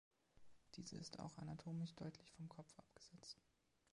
Diese ist auch anatomisch deutlich vom Kopf abgesetzt.